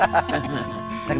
selesai dulu ya